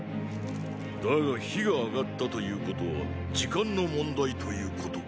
だが火が上がったということは時間の問題ということか？